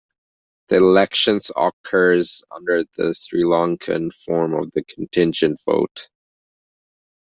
The election occurs under the Sri Lankan form of the contingent vote.